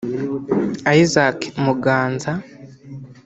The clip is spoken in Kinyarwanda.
Isaac Muganza